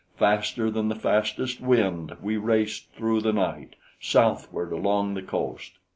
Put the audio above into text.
Faster than the fastest wind we raced through the night, southward along the coast.